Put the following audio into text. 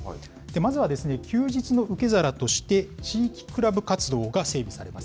まずはですね、休日の受け皿として、地域クラブ活動が整備されます。